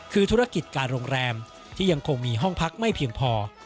คือธุรกิจการโรงแรมที่ยังคงมีห้องพักไม่เพียงพอ